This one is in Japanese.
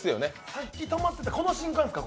さっき止まってたこの瞬間ですか？